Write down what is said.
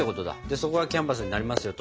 そこがキャンバスになりますよと。